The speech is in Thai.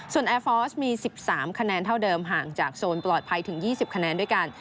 ส่วนแอร์ฟอร์สมี๑๓คะแนนเท่าเดิมห่างจากโซนปลอดภัยถึง๒๐คะแนนด้วยกัน